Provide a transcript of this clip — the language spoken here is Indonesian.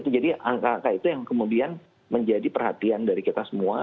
jadi angka angka itu yang kemudian menjadi perhatian dari kita semua